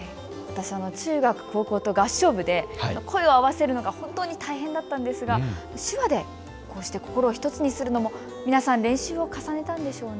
中学、高校と私は合唱部で声を合わせるのは本当に大変だったんですが手話でこうして心を１つにするのも皆さん練習を重ねたんでしょうね。